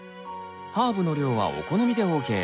ハーブの量はお好みでＯＫ。